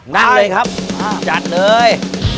นั่นเลยครับจัดเลย